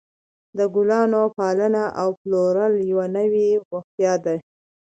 د ګلانو پالنه او پلورل یوه نوې بوختیا ده.